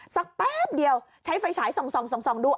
แป๊บเดียวใช้ไฟฉายส่องดู